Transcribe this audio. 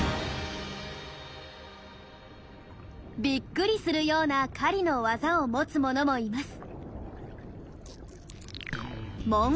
びっくりするような狩りの技を持つものもいます。